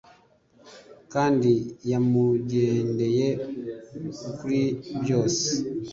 Kandi yamugendeye kuri byose